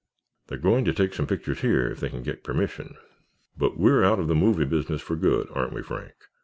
They're going to take some pictures here if they can get permission. But we're out of the movie business for good—aren't we, Frank?